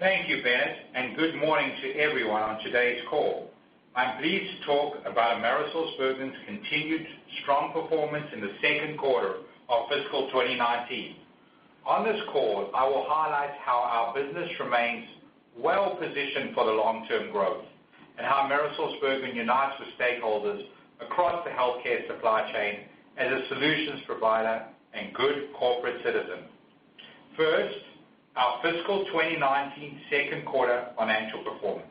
Thank you, Ben, and good morning to everyone on today's call. I am pleased to talk about AmerisourceBergen's continued strong performance in the second quarter of fiscal 2019. On this call, I will highlight how our business remains well-positioned for the long-term growth and how AmerisourceBergen unites with stakeholders across the healthcare supply chain as a solutions provider and good corporate citizen. First, our fiscal 2019 second quarter financial performance.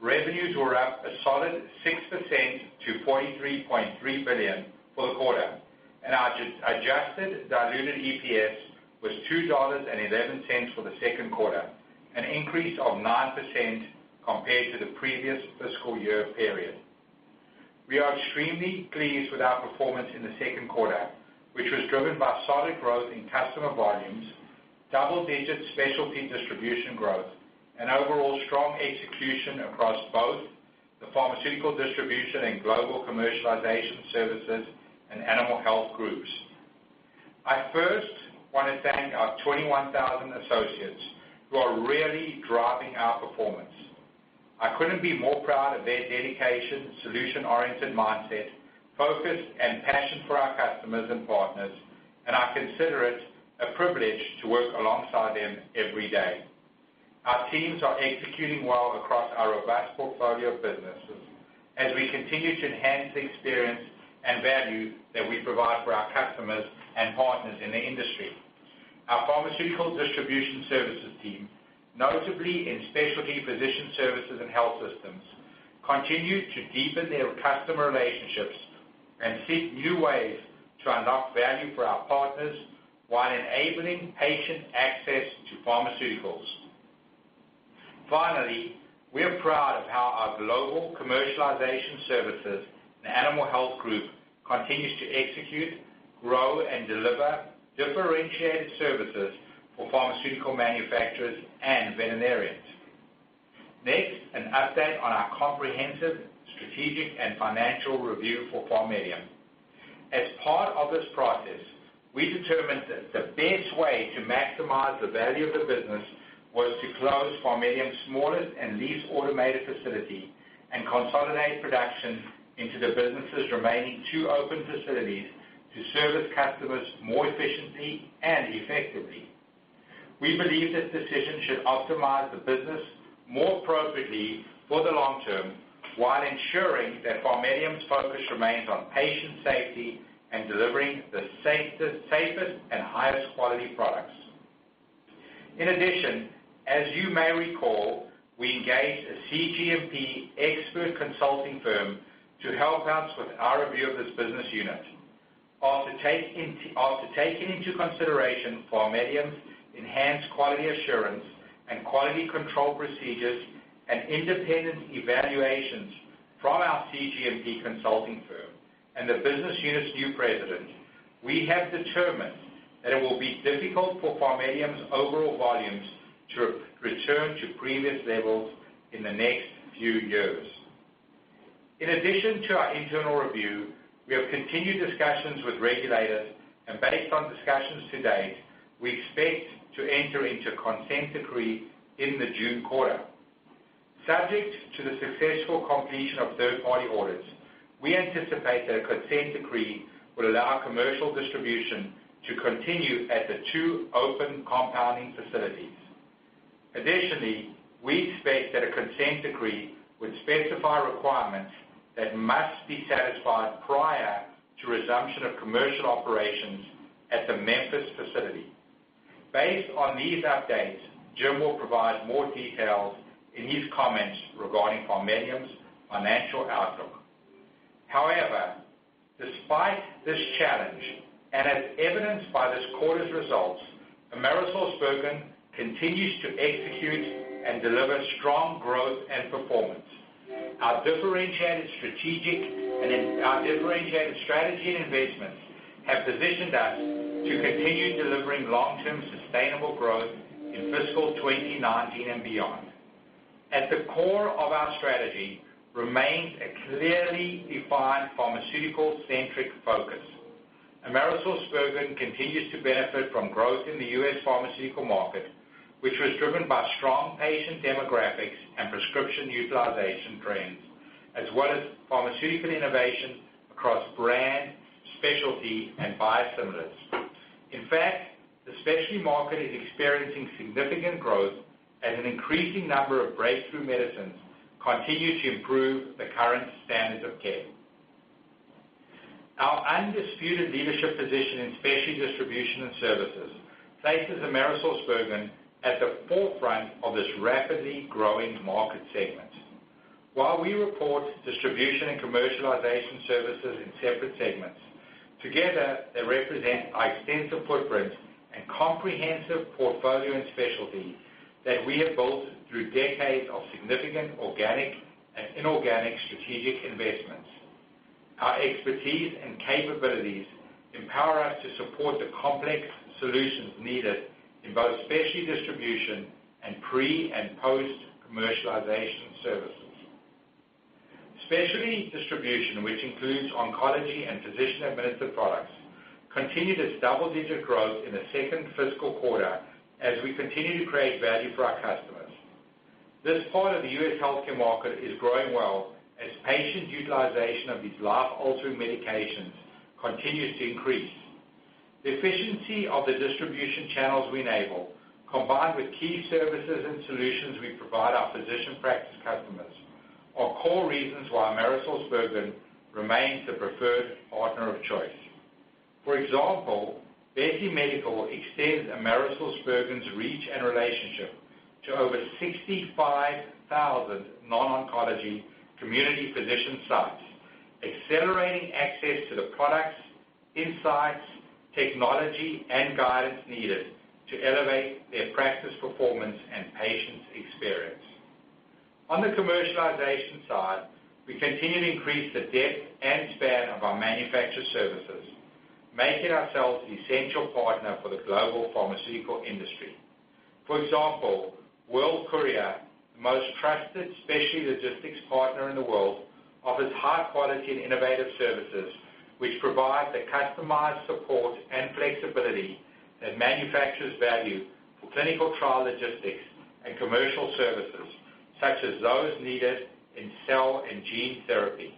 Revenues were up a solid 6% to $43.3 billion for the quarter. Our adjusted diluted EPS was $2.11 for the second quarter, an increase of 9% compared to the previous fiscal year period. We are extremely pleased with our performance in the second quarter, which was driven by solid growth in customer volumes, double-digit specialty distribution growth, and overall strong execution across both the Pharmaceutical Distribution and Global Commercialization Services and Animal Health groups. I first want to thank our 21,000 associates who are really driving our performance. I couldn't be more proud of their dedication, solution-oriented mindset, focus, and passion for our customers and partners. I consider it a privilege to work alongside them every day. Our teams are executing well across our vast portfolio of businesses as we continue to enhance the experience and value that we provide for our customers and partners in the industry. Our Pharmaceutical Distribution Services team, notably in Specialty Physician Services and Health Systems, continue to deepen their customer relationships and seek new ways to unlock value for our partners while enabling patient access to pharmaceuticals. Finally, we are proud of how our Global Commercialization Services and Animal Health group continues to execute, grow, and deliver differentiated services for pharmaceutical manufacturers and veterinarians. Next, an update on our comprehensive strategic and financial review for PharMEDium. As part of this process, we determined that the best way to maximize the value of the business was to close PharMEDium's smallest and least automated facility and consolidate production into the business's remaining two open facilities to service customers more efficiently and effectively. We believe this decision should optimize the business more appropriately for the long term while ensuring that PharMEDium's focus remains on patient safety and delivering the safest and highest quality products. In addition, as you may recall, we engaged a cGMP expert consulting firm to help us with our review of this business unit. After taking into consideration PharMEDium's enhanced quality assurance and quality control procedures and independent evaluations from our cGMP consulting firm and the business unit's new president, we have determined that it will be difficult for PharMEDium's overall volumes to return to previous levels in the next few years. In addition to our internal review, we have continued discussions with regulators. Based on discussions to date, we expect to enter into consent decree in the June quarter. Subject to the successful completion of third-party audits, we anticipate that a consent decree will allow our commercial distribution to continue at the two open compounding facilities. Additionally, we expect that a consent decree would specify requirements that must be satisfied prior to resumption of commercial operations at the Memphis facility. Based on these updates, Jim will provide more details in his comments regarding PharMEDium's financial outlook. However, despite this challenge, as evidenced by this quarter's results, AmerisourceBergen continues to execute and deliver strong growth and performance. Our differentiated strategy and investments have positioned us to continue delivering long-term sustainable growth in fiscal 2019 and beyond. At the core of our strategy remains a clearly defined pharmaceutical-centric focus. AmerisourceBergen continues to benefit from growth in the U.S. pharmaceutical market, which was driven by strong patient demographics and prescription utilization trends, as well as pharmaceutical innovation across brand, specialty, and biosimilars. In fact, the specialty market is experiencing significant growth as an increasing number of breakthrough medicines continue to improve the current standard of care. Our undisputed leadership position in specialty distribution and services places AmerisourceBergen at the forefront of this rapidly growing market segment. While we report distribution and commercialization services in separate segments, together, they represent our extensive footprint and comprehensive portfolio and specialty that we have built through decades of significant organic and inorganic strategic investments. Our expertise and capabilities empower us to support the complex solutions needed in both specialty distribution and pre- and post-commercialization services. Specialty distribution, which includes oncology and physician-administered products, continued its double-digit growth in the second fiscal quarter as we continue to create value for our customers. This part of the U.S. healthcare market is growing well as patient utilization of these life-altering medications continues to increase. The efficiency of the distribution channels we enable, combined with key services and solutions we provide our physician practice customers, are core reasons why AmerisourceBergen remains the preferred partner of choice. For example, Besse Medical extends AmerisourceBergen's reach and relationship to over 65,000 non-oncology community physician sites, accelerating access to the products, insights, technology, and guidance needed to elevate their practice performance and patient experience. On the commercialization side, we continue to increase the depth and span of our manufacturer services, making ourselves the essential partner for the global pharmaceutical industry. For example, World Courier, the most trusted specialty logistics partner in the world, offers high quality and innovative services which provide the customized support and flexibility that manufacturers value for clinical trial logistics and commercial services, such as those needed in cell and gene therapy.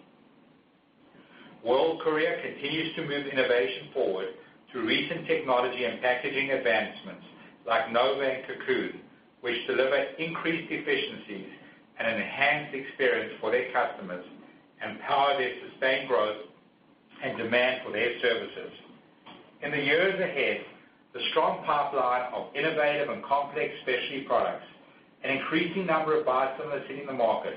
World Courier continues to move innovation forward through recent technology and packaging advancements like Nova and Cocoon, which deliver increased efficiencies and enhance the experience for their customers, empower their sustained growth, and demand for their services. In the years ahead, the strong pipeline of innovative and complex specialty products, an increasing number of biosimilars hitting the market,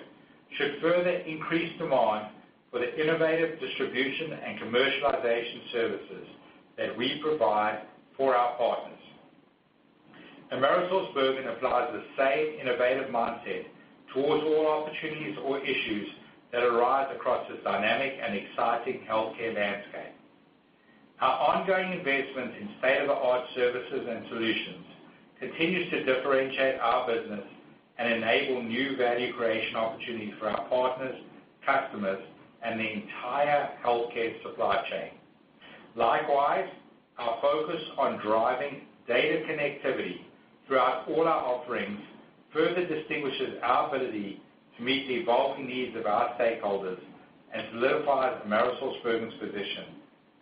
should further increase demand for the innovative distribution and commercialization services that we provide for our partners. AmerisourceBergen applies the same innovative mindset towards all opportunities or issues that arise across this dynamic and exciting healthcare landscape. Our ongoing investment in state-of-the-art services and solutions continues to differentiate our business and enable new value creation opportunities for our partners, customers, and the entire healthcare supply chain. Likewise, our focus on driving data connectivity throughout all our offerings further distinguishes our ability to meet the evolving needs of our stakeholders and solidifies AmerisourceBergen's position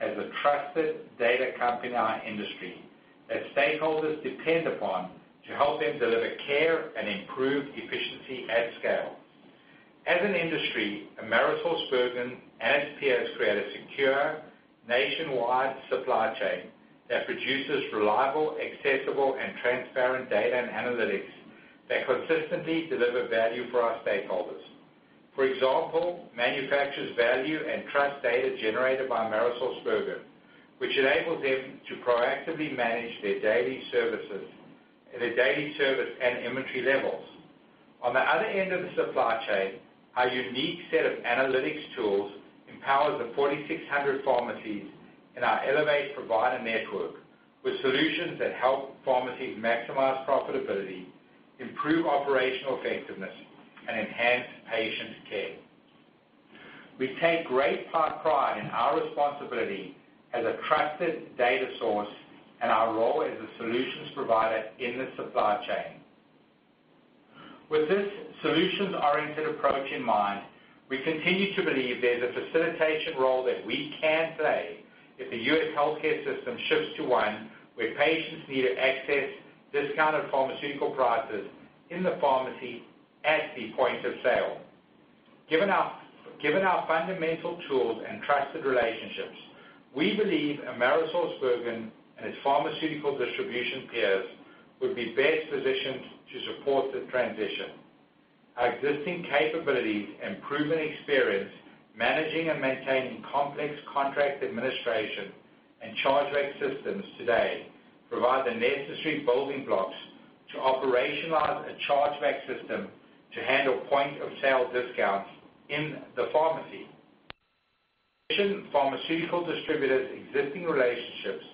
as a trusted data company in our industry that stakeholders depend upon to help them deliver care and improve efficiency at scale. As an industry, AmerisourceBergen and its peers create a secure nationwide supply chain that produces reliable, accessible, and transparent data and analytics that consistently deliver value for our stakeholders. For example, manufacturers value and trust data generated by AmerisourceBergen, which enables them to proactively manage their daily service and inventory levels. On the other end of the supply chain, our unique set of analytics tools empowers the 4,600 pharmacies in our Elevate Provider Network with solutions that help pharmacies maximize profitability, improve operational effectiveness, and enhance patient care. We take great pride in our responsibility as a trusted data source and our role as a solutions provider in the supply chain. With this solutions-oriented approach in mind, we continue to believe there's a facilitation role that we can play if the U.S. healthcare system shifts to one where patients need to access discounted pharmaceutical prices in the pharmacy at the point-of-sale. Given our fundamental tools and trusted relationships, we believe AmerisourceBergen and its pharmaceutical distribution peers would be best positioned to support the transition. Our existing capabilities and proven experience managing and maintaining complex contract administration and chargeback systems today provide the necessary building blocks to operationalize a chargeback system to handle point-of-sale discounts in the pharmacy. Visionary pharmaceutical distributors' existing relationships,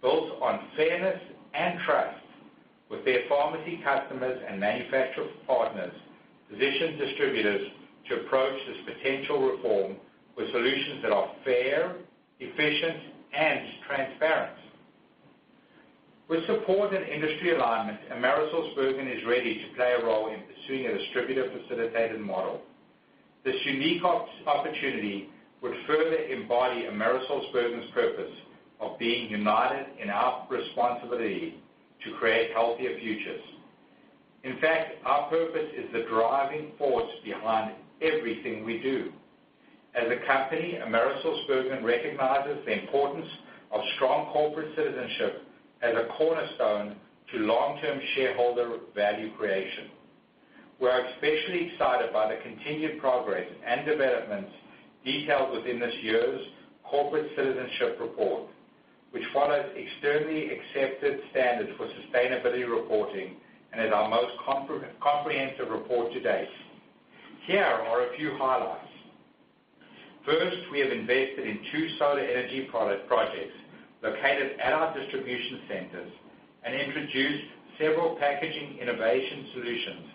built on fairness and trust with their pharmacy customers and manufacturer partners, position distributors to approach this potential reform with solutions that are fair, efficient, and transparent. With support and industry alignment, AmerisourceBergen is ready to play a role in pursuing a distributor-facilitated model. This unique opportunity would further embody AmerisourceBergen's purpose of being united in our responsibility to create healthier futures. In fact, our purpose is the driving force behind everything we do. As a company, AmerisourceBergen recognizes the importance of strong corporate citizenship as a cornerstone to long-term shareholder value creation. We are especially excited by the continued progress and developments detailed within this year's Corporate Citizenship Report, which follows externally accepted standards for sustainability reporting and is our most comprehensive report to date. Here are a few highlights. First, we have invested in two solar energy projects located at our distribution centers and introduced several packaging innovation solutions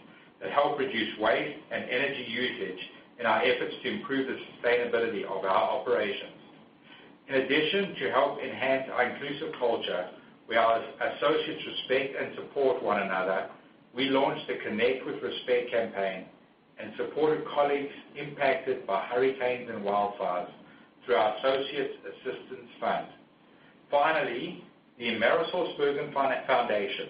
that help reduce waste and energy usage in our efforts to improve the sustainability of our operations. In addition, to help enhance our inclusive culture where our associates respect and support one another, we launched the Connect with Respect campaign and supported colleagues impacted by hurricanes and wildfires through our Associates Assistance Fund. Finally, the AmerisourceBergen Foundation,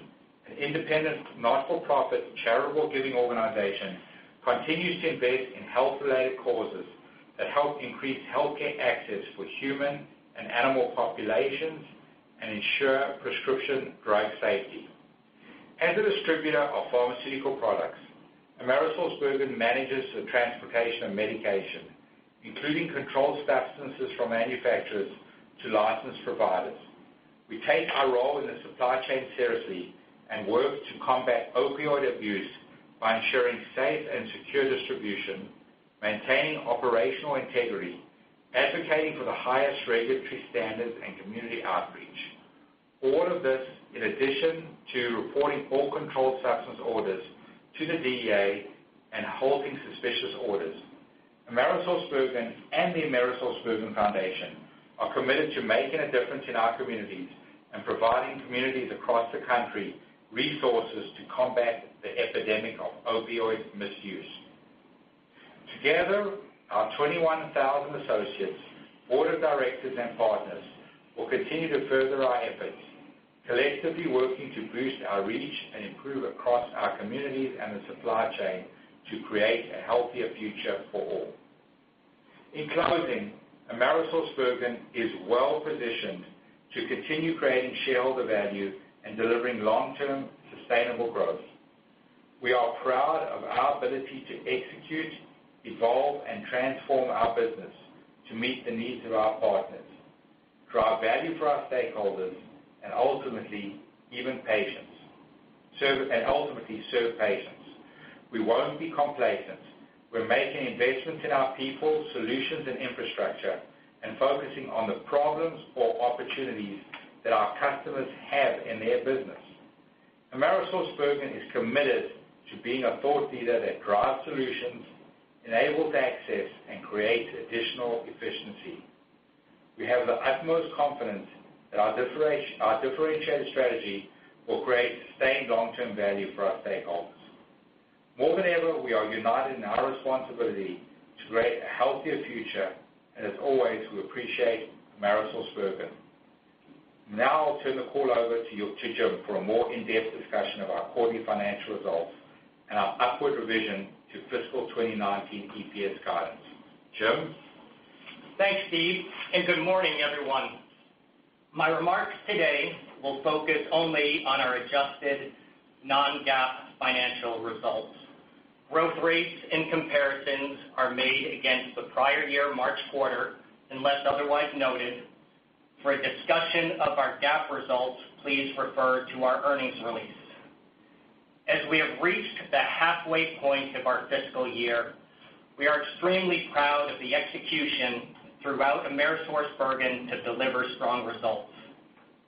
an independent, not-for-profit, charitable giving organization, continues to invest in health-related causes that help increase healthcare access for human and animal populations and ensure prescription drug safety. As a distributor of pharmaceutical products, AmerisourceBergen manages the transportation of medication, including controlled substances from manufacturers to licensed providers. We take our role in the supply chain seriously and work to combat opioid abuse by ensuring safe and secure distribution, maintaining operational integrity, advocating for the highest regulatory standards and community outreach. All of this in addition to reporting all controlled substance orders to the DEA and holding suspicious orders. AmerisourceBergen and the AmerisourceBergen Foundation are committed to making a difference in our communities and providing communities across the country resources to combat the epidemic of opioid misuse. Together, our 21,000 associates, board of directors, and partners will continue to further our efforts, collectively working to boost our reach and improve across our communities and the supply chain to create a healthier future for all. In closing, AmerisourceBergen is well-positioned to continue creating shareholder value and delivering long-term sustainable growth. We are proud of our ability to execute, evolve, and transform our business to meet the needs of our partners, drive value for our stakeholders, and ultimately serve patients. We won't be complacent. We're making investments in our people, solutions, and infrastructure and focusing on the problems or opportunities that our customers have in their business. AmerisourceBergen is committed to being a thought leader that drives solutions, enables access, and creates additional efficiency. We have the utmost confidence that our differentiated strategy will create sustained long-term value for our stakeholders. More than ever, we are united in our responsibility to create a healthier future. As always, we appreciate AmerisourceBergen. Now I'll turn the call over to Jim for a more in-depth discussion of our quarterly financial results and our upward revision to fiscal 2019 EPS guidance. Jim? Thanks, Steve, good morning, everyone. My remarks today will focus only on our adjusted non-GAAP financial results. Growth rates and comparisons are made against the prior year March quarter, unless otherwise noted. For a discussion of our GAAP results, please refer to our earnings release. As we have reached the halfway point of our fiscal year, we are extremely proud of the execution throughout AmerisourceBergen to deliver strong results.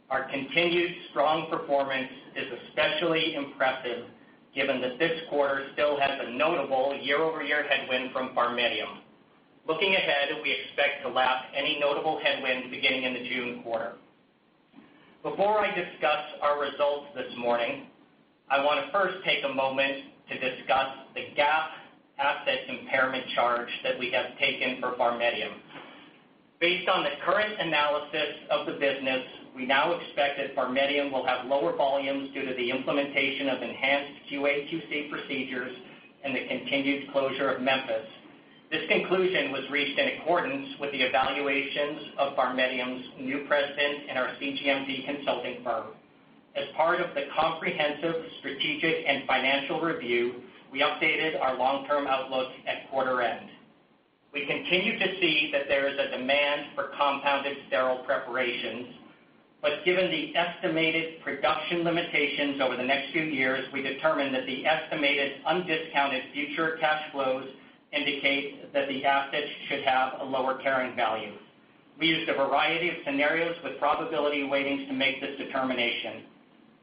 Our continued strong performance is especially impressive given that this quarter still has a notable year-over-year headwind from PharMEDium. Looking ahead, we expect to lap any notable headwinds beginning in the June quarter. Before I discuss our results this morning, I want to first take a moment to discuss the GAAP asset impairment charge that we have taken for PharMEDium. Based on the current analysis of the business, we now expect that PharMEDium will have lower volumes due to the implementation of enhanced QA/QC procedures and the continued closure of Memphis. This conclusion was reached in accordance with the evaluations of PharMEDium's new president and our cGMP consulting firm. As part of the comprehensive strategic and financial review, we updated our long-term outlook at quarter end. We continue to see that there is a demand for compounded sterile preparations, but given the estimated production limitations over the next few years, we determined that the estimated undiscounted future cash flows indicate that the assets should have a lower carrying value. We used a variety of scenarios with probability weightings to make this determination.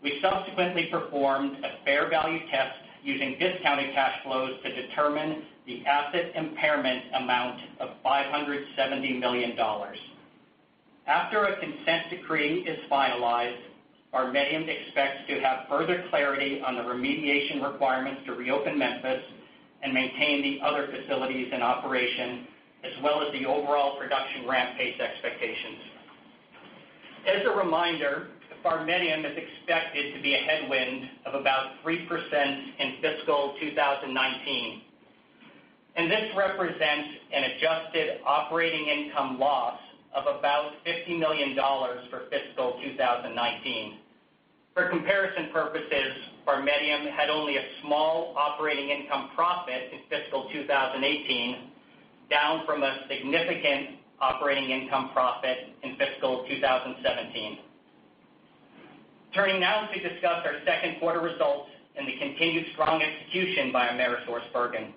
We subsequently performed a fair value test using discounted cash flows to determine the asset impairment amount of $570 million. After a consent decree is finalized, PharMEDium expects to have further clarity on the remediation requirements to reopen Memphis and maintain the other facilities and operation, as well as the overall production ramp pace expectations. As a reminder, PharMEDium is expected to be a headwind of about 3% in fiscal 2019, and this represents an adjusted operating income loss of about $50 million for fiscal 2019. For comparison purposes, PharMEDium had only a small operating income profit in fiscal 2018, down from a significant operating income profit in fiscal 2017. Turning now to discuss our second quarter results and the continued strong execution by AmerisourceBergen.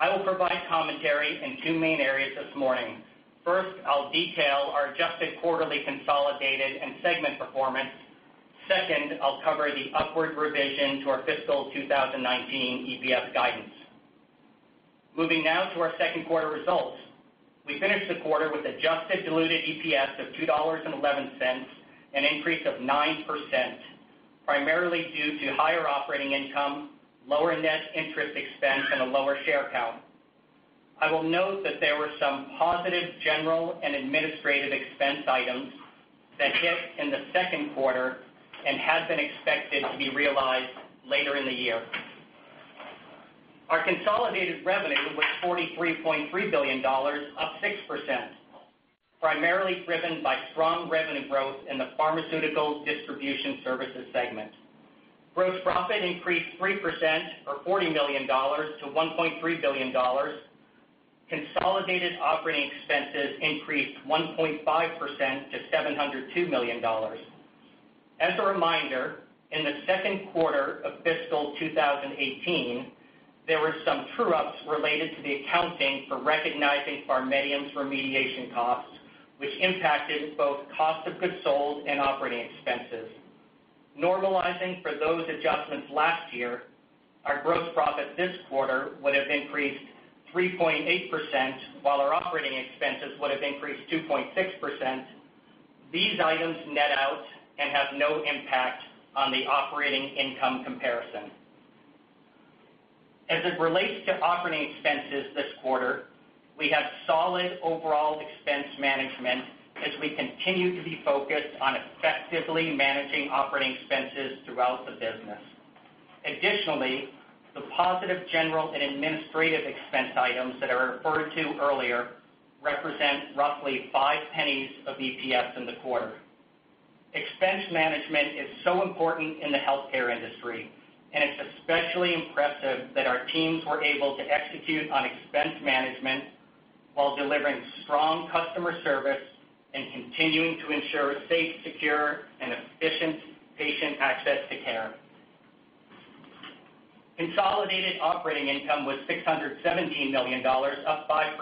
I will provide commentary in two main areas this morning. First, I'll detail our adjusted quarterly consolidated and segment performance. Second, I'll cover the upward revision to our fiscal 2019 EPS guidance. Moving now to our second quarter results. We finished the quarter with adjusted diluted EPS of $2.11, an increase of 9%, primarily due to higher operating income, lower net interest expense, and a lower share count. I will note that there were some positive general and administrative expense items that hit in the second quarter and had been expected to be realized later in the year. Our consolidated revenue was $43.3 billion, up 6%, primarily driven by strong revenue growth in the Pharmaceutical Distribution Services segment. Gross profit increased 3%, or $40 million, to $1.3 billion. Consolidated operating expenses increased 1.5% to $702 million. As a reminder, in the second quarter of fiscal 2018, there were some true-ups related to the accounting for recognizing PharMEDium's remediation costs, which impacted both cost of goods sold and operating expenses. Normalizing for those adjustments last year, our gross profit this quarter would've increased 3.8%, while our operating expenses would've increased 2.6%. These items net out and have no impact on the operating income comparison. As it relates to operating expenses this quarter, we had solid overall expense management as we continue to be focused on effectively managing operating expenses throughout the business. Additionally, the positive general and administrative expense items that I referred to earlier represent roughly five pennies of EPS in the quarter. Expense management is so important in the healthcare industry, and it's especially impressive that our teams were able to execute on expense management while delivering strong customer service and continuing to ensure safe, secure, and efficient patient access to care. Consolidated operating income was $617 million, up 5%,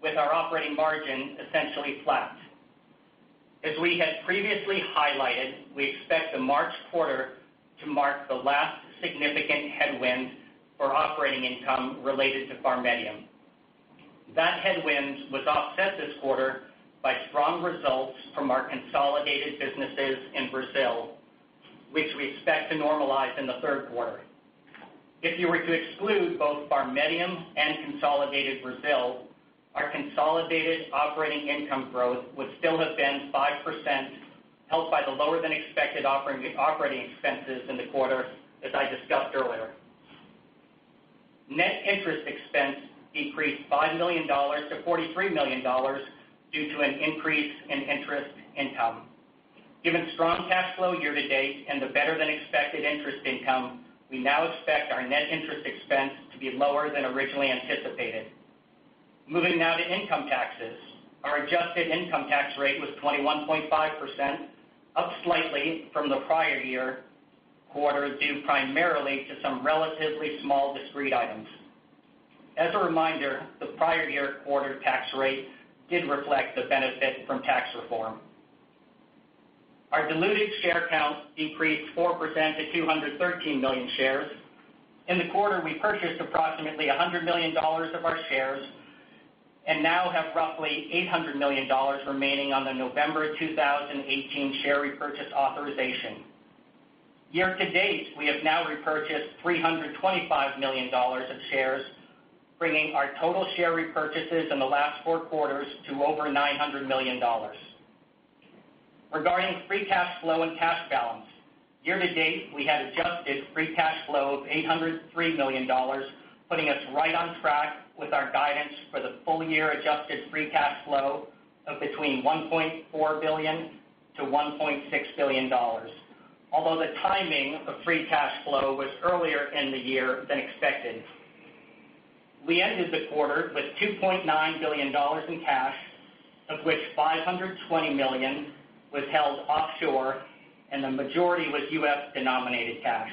with our operating margin essentially flat. As we had previously highlighted, we expect the March quarter to mark the last significant headwind for operating income related to PharMEDium. That headwind was offset this quarter by strong results from our consolidated businesses in Brazil, which we expect to normalize in the third quarter. If you were to exclude both PharMEDium and consolidated Brazil, our consolidated operating income growth would still have been 5%, helped by the lower than expected operating expenses in the quarter, as I discussed earlier. Net interest expense decreased $5 million to $43 million due to an increase in interest income. Given strong cash flow year to date and the better than expected interest income, we now expect our net interest expense to be lower than originally anticipated. Moving now to income taxes. Our adjusted income tax rate was 21.5%, up slightly from the prior year quarter, due primarily to some relatively small discrete items. As a reminder, the prior year quarter tax rate did reflect the benefit from tax reform. Our diluted share count decreased 4% to 213 million shares. In the quarter, we purchased approximately $100 million of our shares and now have roughly $800 million remaining on the November 2018 share repurchase authorization. Year to date, we have now repurchased $325 million of shares, bringing our total share repurchases in the last four quarters to over $900 million. Regarding free cash flow and cash balance, year to date, we had adjusted free cash flow of $803 million, putting us right on track with our guidance for the full year adjusted free cash flow of between $1.4 billion-$1.6 billion, although the timing of free cash flow was earlier in the year than expected. We ended the quarter with $2.9 billion in cash, of which $520 million was held offshore, and the majority was U.S.-denominated cash.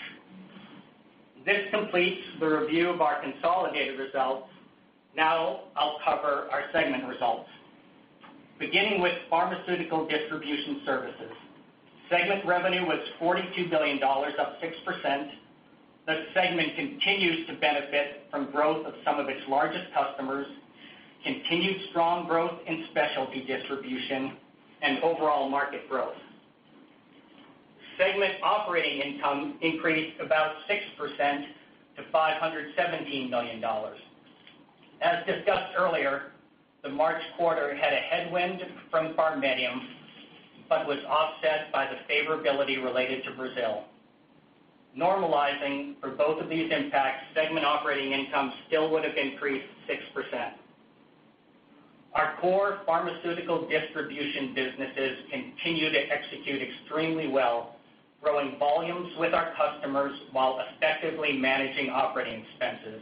This completes the review of our consolidated results. I'll cover our segment results. Beginning with Pharmaceutical Distribution Services. Segment revenue was $42 billion, up 6%. The segment continues to benefit from growth of some of its largest customers, continued strong growth in specialty distribution, and overall market growth. Segment operating income increased about 6% to $517 million. As discussed earlier, the March quarter had a headwind from PharMEDium, but was offset by the favorability related to Brazil. Normalizing for both of these impacts, segment operating income still would've increased 6%. Our core pharmaceutical distribution businesses continue to execute extremely well. Growing volumes with our customers while effectively managing operating expenses.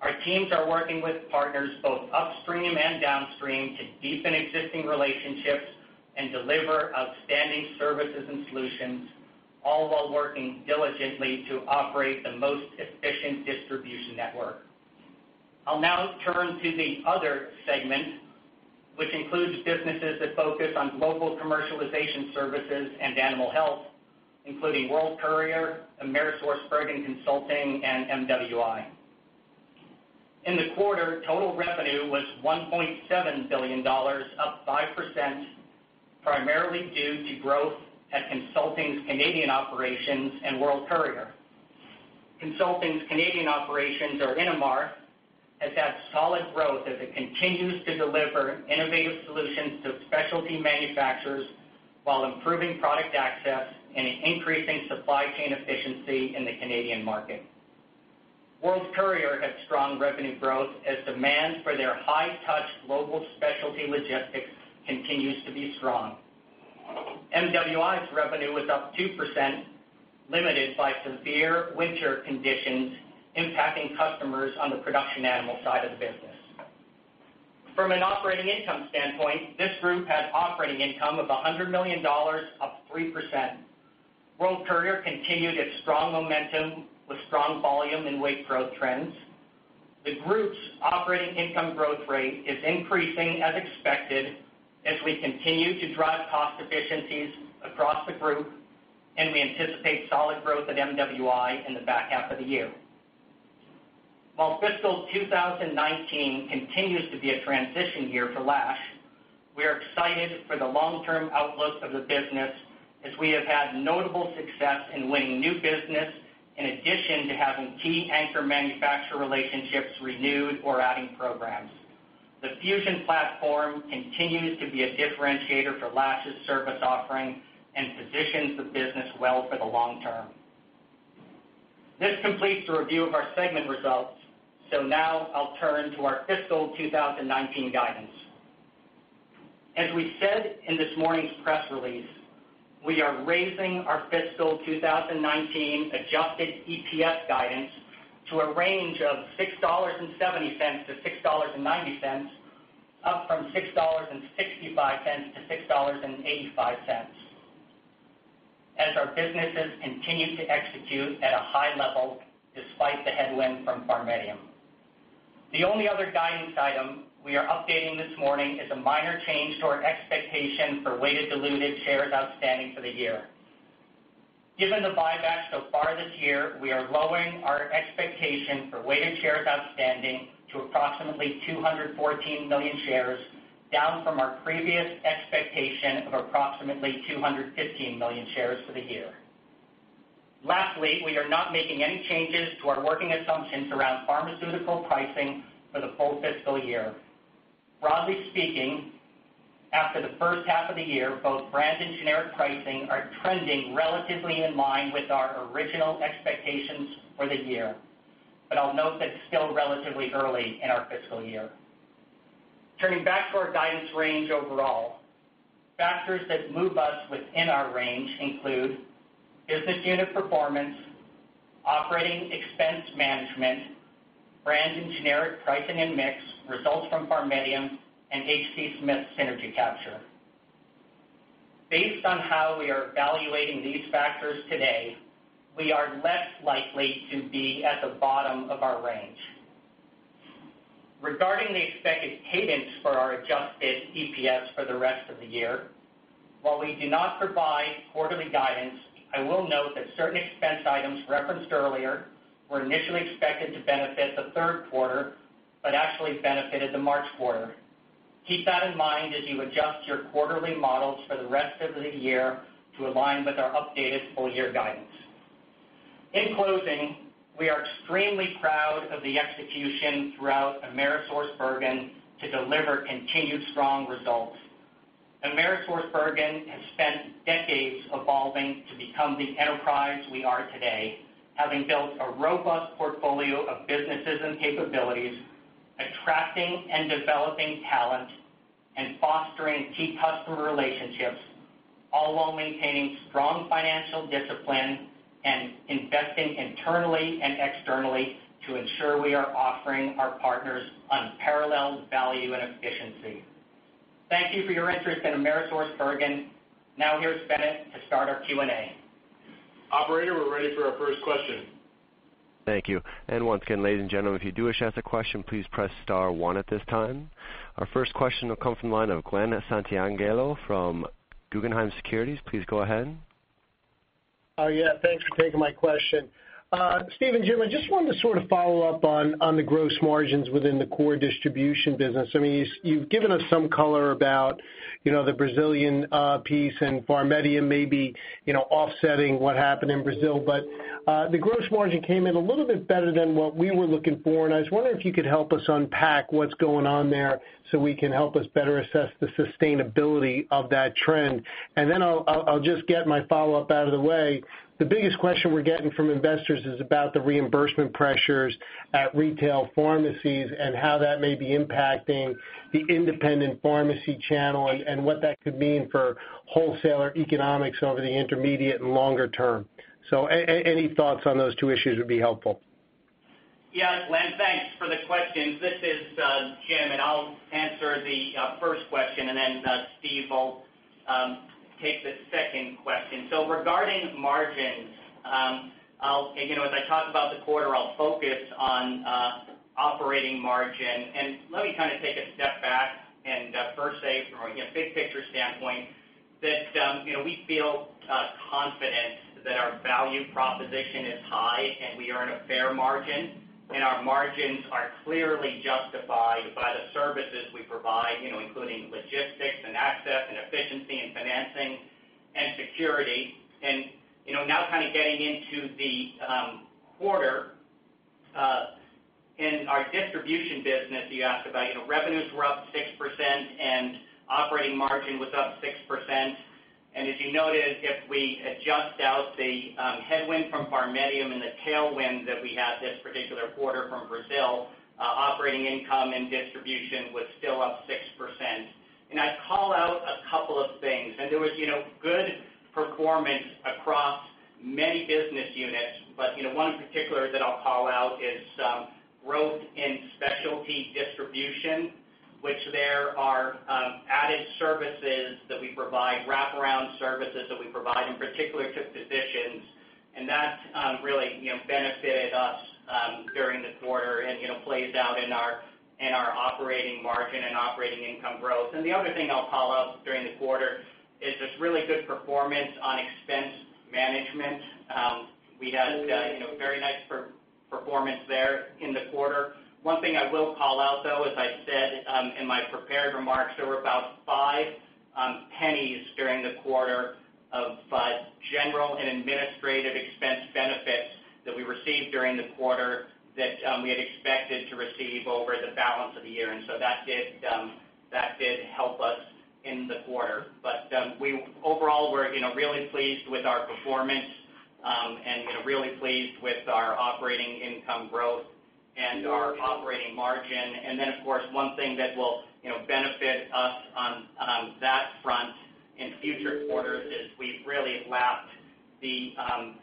Our teams are working with partners both upstream and downstream to deepen existing relationships and deliver outstanding services and solutions, all while working diligently to operate the most efficient distribution network. I'll now turn to the other segment, which includes businesses that focus on Global Commercialization Services and Animal Health, including World Courier, AmerisourceBergen Consulting, and MWI. In the quarter, total revenue was $1.7 billion, up 5%, primarily due to growth at Consulting's Canadian operations and World Courier. Consulting's Canadian operations or Innomar has had solid growth as it continues to deliver innovative solutions to specialty manufacturers while improving product access and increasing supply chain efficiency in the Canadian market. World Courier had strong revenue growth as demand for their high-touch global specialty logistics continues to be strong. MWI's revenue was up 2%, limited by severe winter conditions impacting customers on the production animal side of the business. From an operating income standpoint, this group had operating income of $100 million, up 3%. World Courier continued its strong momentum with strong volume and weight growth trends. The group's operating income growth rate is increasing as expected as we continue to drive cost efficiencies across the group, and we anticipate solid growth at MWI in the back half of the year. While fiscal 2019 continues to be a transition year for Lash, we are excited for the long-term outlook of the business as we have had notable success in winning new business in addition to having key anchor manufacturer relationships renewed or adding programs. The Fusion platform continues to be a differentiator for Lash's service offering and positions the business well for the long term. This completes the review of our segment results. Now I'll turn to our fiscal 2019 guidance. As we said in this morning's press release, we are raising our fiscal 2019 adjusted EPS guidance to a range of $6.70-$6.90, up from $6.65-$6.85, as our businesses continue to execute at a high level despite the headwind from PharMEDium. The only other guidance item we are updating this morning is a minor change to our expectation for weighted diluted shares outstanding for the year. Given the buyback so far this year, we are lowering our expectation for weighted shares outstanding to approximately 214 million shares, down from our previous expectation of approximately 215 million shares for the year. Lastly, we are not making any changes to our working assumptions around pharmaceutical pricing for the full fiscal year. Broadly speaking, after the first half of the year, both brand and generic pricing are trending relatively in line with our original expectations for the year, but I'll note that it's still relatively early in our fiscal year. Turning back to our guidance range overall, factors that move us within our range include business unit performance, operating expense management, brand and generic pricing and mix, results from PharMEDium, and H.D. Smith synergy capture. Based on how we are evaluating these factors today, we are less likely to be at the bottom of our range. Regarding the expected cadence for our adjusted EPS for the rest of the year, while we do not provide quarterly guidance, I will note that certain expense items referenced earlier were initially expected to benefit the third quarter but actually benefited the March quarter. Keep that in mind as you adjust your quarterly models for the rest of the year to align with our updated full-year guidance. In closing, we are extremely proud of the execution throughout AmerisourceBergen to deliver continued strong results. AmerisourceBergen has spent decades evolving to become the enterprise we are today, having built a robust portfolio of businesses and capabilities, attracting and developing talent, and fostering key customer relationships, all while maintaining strong financial discipline and investing internally and externally to ensure we are offering our partners unparalleled value and efficiency. Thank you for your interest in AmerisourceBergen. Now here's Bennett to start our Q&A. Operator, we're ready for our first question. Thank you. Once again, ladies and gentlemen, if you do wish to ask a question, please press star one at this time. Our first question will come from the line of Glen Santangelo from Guggenheim Securities. Please go ahead. Yeah. Thanks for taking my question. Steven, Jim, I just wanted to sort of follow up on the gross margins within the core distribution business. You've given us some color about the Brazilian piece and PharMEDium maybe offsetting what happened in Brazil, the gross margin came in a little bit better than what we were looking for, I was wondering if you could help us unpack what's going on there so we can help us better assess the sustainability of that trend. Then I'll just get my follow-up out of the way. The biggest question we're getting from investors is about the reimbursement pressures at retail pharmacies and how that may be impacting the independent pharmacy channel and what that could mean for wholesaler economics over the intermediate and longer term. Any thoughts on those two issues would be helpful. Yes, Glen. Thanks for the questions. This is Jim, I'll answer the first question, then Steve will take the second question. Regarding margins, as I talk about the quarter, I'll focus on operating margin. Let me take a step back and first say, from a big picture standpoint, that we feel confident that our value proposition is high, we earn a fair margin, our margins are clearly justified by the services we provide, including logistics and access and efficiency and financing and security. Now getting into the quarter, in our distribution business, you asked about, revenues were up 6%, operating margin was up 6%. As you noted, if we adjust out the headwind from PharMEDium and the tailwind that we had this particular quarter from Brazil, operating income and distribution was still up 6%. I'd call out a couple of things. There was good performance across many business units, one in particular that I'll call out is growth in specialty distribution, which there are added services that we provide, wraparound services that we provide, in particular to physicians. That really benefited us during the quarter and plays out in our operating margin and operating income growth. The other thing I'll call out during the quarter is this really good performance on expense management. We had very nice performance there in the quarter. One thing I will call out, though, as I said in my prepared remarks, there were about $0.05 during the quarter of general and administrative expense benefits that we received during the quarter that we had expected to receive over the balance of the year. So that did help us in the quarter. Overall, we're really pleased with our performance, and really pleased with our operating income growth and our operating margin. Of course, one thing that will benefit us on that front in future quarters is we've really lapped the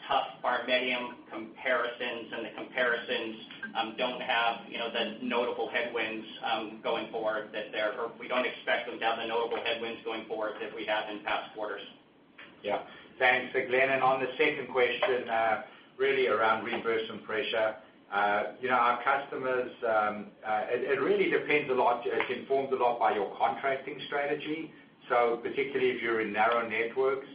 tough PharMEDium comparisons, and the comparisons don't have the notable headwinds going forward or we don't expect them to have the notable headwinds going forward that we had in past quarters. Yeah. Thanks, Glenn, on the second question, really around reimbursement pressure. Our customers, it really depends a lot. It's informed a lot by your contracting strategy. Particularly if you're in narrow networks.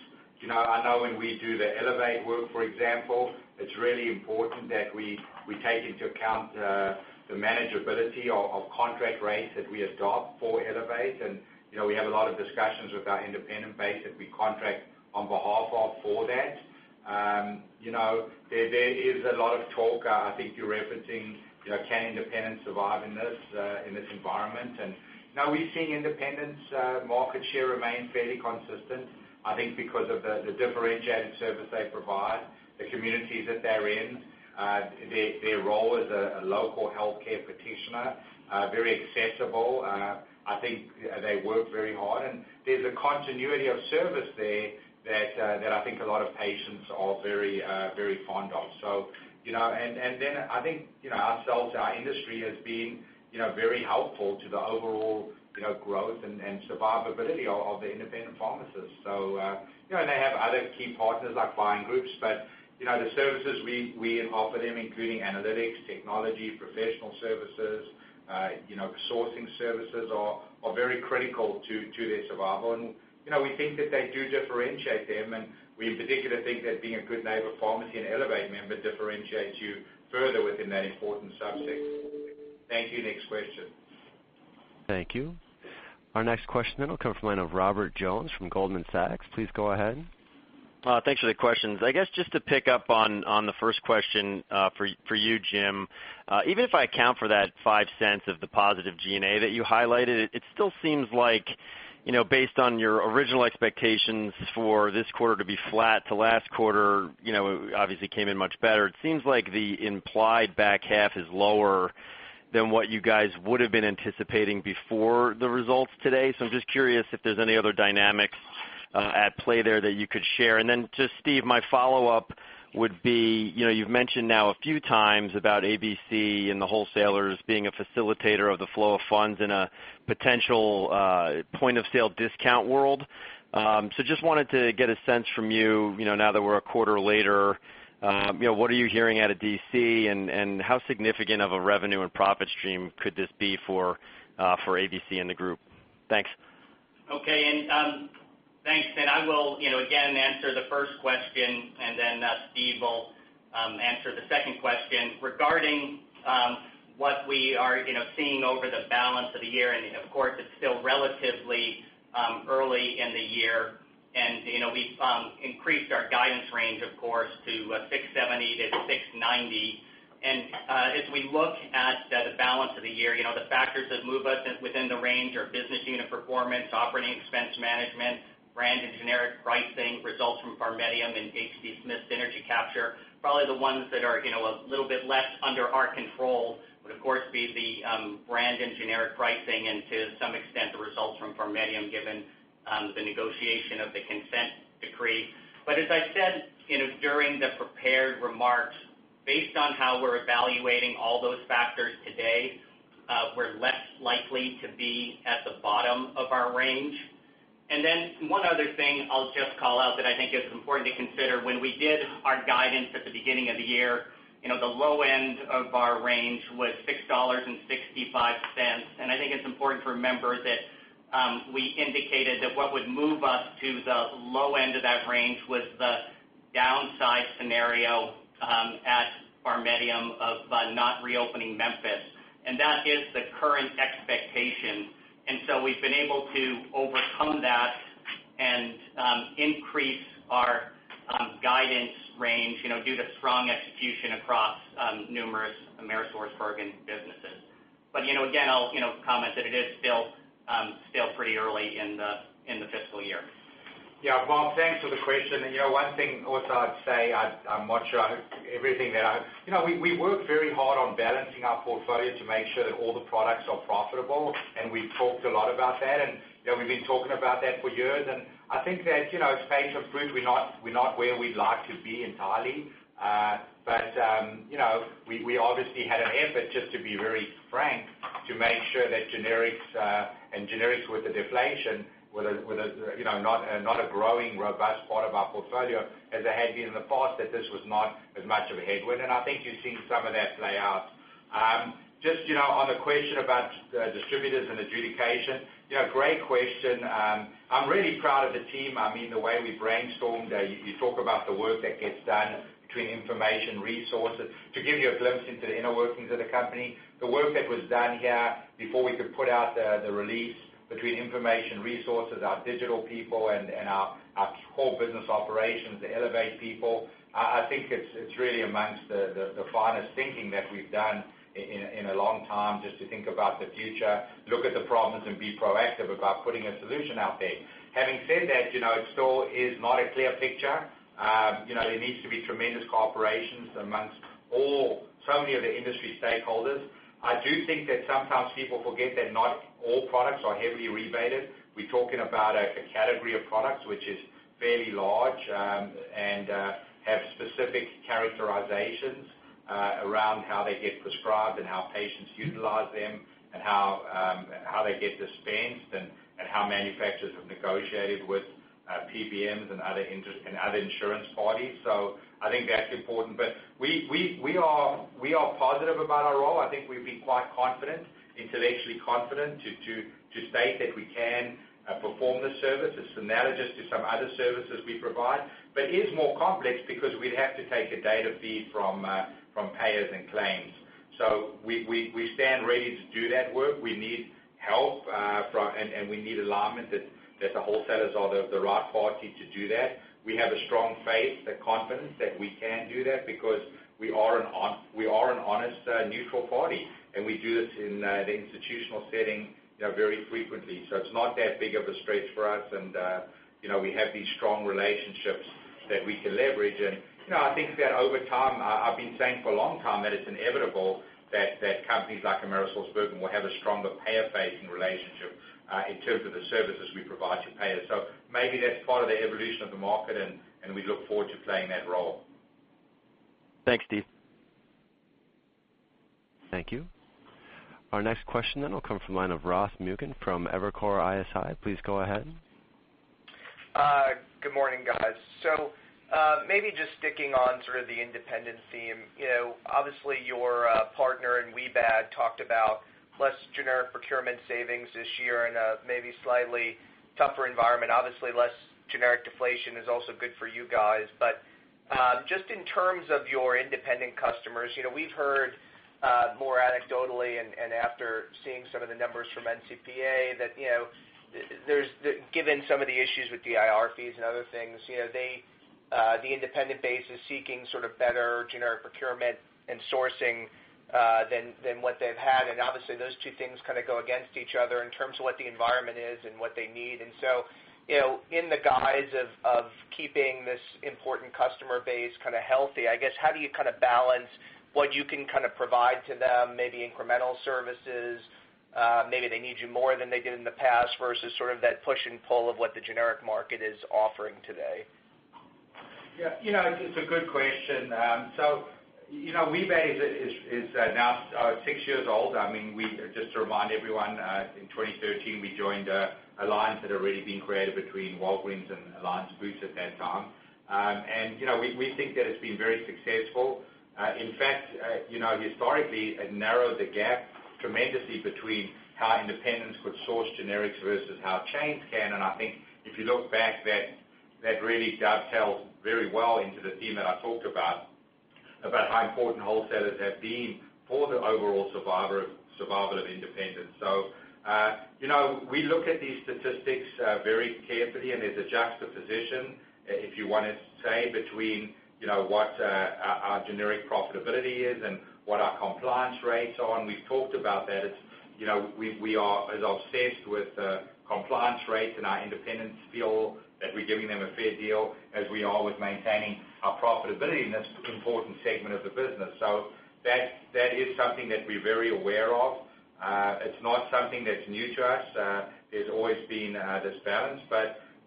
I know when we do the Elevate work, for example, it's really important that we take into account the manageability of contract rates that we adopt for Elevate, and we have a lot of discussions with our independent base that we contract on behalf of for that. There is a lot of talk, I think you're referencing, can independents survive in this environment? No, we're seeing independents' market share remain fairly consistent, I think because of the differentiated service they provide, the communities that they're in, their role as a local healthcare practitioner, very accessible. I think they work very hard, and there's a continuity of service there that I think a lot of patients are very fond of. I think, ourselves, our industry has been very helpful to the overall growth and survivability of the independent pharmacists. They have other key partners like buying groups, but the services we offer them, including analytics, technology, professional services, sourcing services, are very critical to their survival. We think that they do differentiate them, and we in particular think that being a Good Neighbor Pharmacy and Elevate member differentiates you further within that important subset. Thank you. Next question. Thank you. Our next question then will come from the line of Robert Jones from Goldman Sachs. Please go ahead. Thanks for the questions. I guess, just to pick up on the first question, for you, Jim. Even if I account for that $0.05 of the positive G&A that you highlighted, it still seems like, based on your original expectations for this quarter to be flat to last quarter, obviously came in much better. It seems like the implied back half is lower than what you guys would've been anticipating before the results today. I'm just curious if there's any other dynamics at play there that you could share. Steve, my follow-up would be, you've mentioned now a few times about ABC and the wholesalers being a facilitator of the flow of funds in a potential point-of-sale discount world. Just wanted to get a sense from you, now that we're a quarter later, what are you hearing out of D.C., and how significant of a revenue and profit stream could this be for ABC and the group? Thanks. Okay, thanks. I will, again, answer the first question, and Steve will answer the second question. Regarding what we are seeing over the balance of the year, of course, it's still relatively early in the year, we've increased our guidance range, of course, to $6.70-$6.90. As we look at the balance of the year, the factors that move us within the range are business unit performance, operating expense management, brand and generic pricing, results from PharMEDium and H.D. Smith synergy capture. Probably the ones that are a little bit less under our control. Of course, be the brand and generic pricing and to some extent, the results from PharMEDium, given the negotiation of the consent decree. As I said during the prepared remarks, based on how we're evaluating all those factors today, we're less likely to be at the bottom of our range. One other thing I'll just call out that I think is important to consider, when we did our guidance at the beginning of the year, the low end of our range was $6.65. I think it's important to remember that we indicated that what would move us to the low end of that range was the downside scenario at PharMEDium of not reopening Memphis, and that is the current expectation. We've been able to overcome that and increase our guidance range due to strong execution across numerous AmerisourceBergen businesses. But, again, I'll comment that it is still pretty early in the fiscal year. Bob, thanks for the question. One thing also I'd say, I'm not sure on everything there. We work very hard on balancing our portfolio to make sure that all the products are profitable, and we've talked a lot about that, and we've been talking about that for years. I think that it's a space of proof. We're not where we'd like to be entirely. We obviously had an effort, just to be very frank, to make sure that generics and generics with the deflation, not a growing, robust part of our portfolio as it had been in the past, that this was not as much of a headwind. I think you've seen some of that play out. Just on the question about distributors and adjudication, great question. I'm really proud of the team. The way we brainstormed, you talk about the work that gets done between information resources. To give you a glimpse into the inner workings of the company, the work that was done here before we could put out the release between information resources, our digital people, and our core business operations, the Elevate people, I think it's really amongst the finest thinking that we've done in a long time, just to think about the future, look at the problems, and be proactive about putting a solution out there. Having said that, it still is not a clear picture. There needs to be tremendous cooperations amongst so many of the industry stakeholders. I do think that sometimes people forget that not all products are heavily rebated. We're talking about a category of products which is fairly large and have specific characterizations around how they get prescribed and how patients utilize them and how they get dispensed and how manufacturers have negotiated with PBMs and other insurance parties. I think that's important. We are positive about our role. I think we've been quite confident, intellectually confident, to state that we can perform this service. It's analogous to some other services we provide, but is more complex because we'd have to take a data feed from payers and claims. We stand ready to do that work. We need help, and we need alignment that the wholesalers are the right party to do that. We have a strong faith and confidence that we can do that because we are an honest, neutral party, and we do this in the institutional setting very frequently. It's not that big of a stretch for us, and we have these strong relationships that we can leverage. I think that over time, I've been saying for a long time that it's inevitable that companies like AmerisourceBergen will have a stronger payer-facing relationship in terms of the services we provide to payers. Maybe that's part of the evolution of the market, and we look forward to playing that role. Thanks, Steve. Thank you. Our next question will come from the line of Ross Muken from Evercore ISI. Please go ahead. Good morning, guys. Maybe just sticking on sort of the independent theme. Obviously, your partner in WBAD talked about less generic procurement savings this year and a maybe slightly tougher environment. Obviously, less generic deflation is also good for you guys. Just in terms of your independent customers, we've heard more anecdotally and after seeing some of the numbers from NCPA that, given some of the issues with DIR fees and other things, the independent base is seeking sort of better generic procurement and sourcing than what they've had. Obviously, those two things kind of go against each other in terms of what the environment is and what they need. In the guise of keeping this important customer base kind of healthy, I guess, how do you kind of balance what you can provide to them, maybe incremental services, maybe they need you more than they did in the past versus sort of that push and pull of what the generic market is offering today? Yeah. It's a good question. WBAD is now six years old. Just to remind everyone, in 2013, we joined an alliance that had already been created between Walgreens and Alliance Boots at that time. We think that it's been very successful. In fact, historically, it narrowed the gap tremendously between how independents could source generics versus how chains can. I think if you look back, that really dovetails very well into the theme that I talked about how important wholesalers have been for the overall survival of independents. We look at these statistics very carefully, and there's a juxtaposition, if you want to say, between what our generic profitability is and what our compliance rates are, and we've talked about that. We are as obsessed with compliance rates and our independents feel that we're giving them a fair deal as we are with maintaining our profitability in this important segment of the business. That is something that we're very aware of. It's not something that's new to us. There's always been this balance,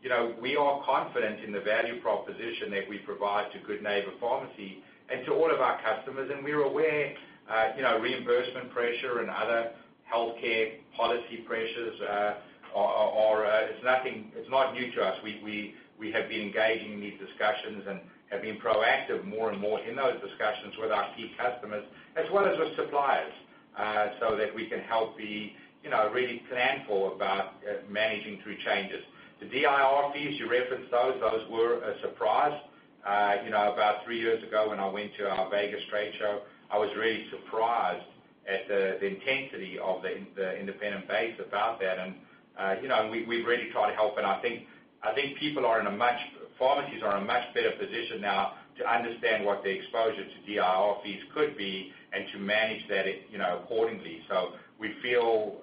but we are confident in the value proposition that we provide to Good Neighbor Pharmacy and to all of our customers, and we're aware reimbursement pressure and other healthcare policy pressures are not new to us. We have been engaging in these discussions and have been proactive more and more in those discussions with our key customers as well as with suppliers, so that we can help be really planful about managing through changes. The DIR fees, you referenced those were a surprise. About three years ago, when I went to our Vegas trade show, I was really surprised at the intensity of the independent base about that, and we've really tried to help and I think pharmacies are in a much better position now to understand what their exposure to DIR fees could be and to manage that accordingly. We feel